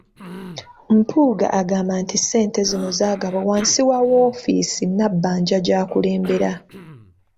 Mpuuga agamba nti ssente zino zaagabwa wansi wa woofiisi Nabbanja gy'akulembera.